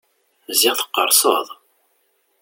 Ziɣ teqqerseḍ!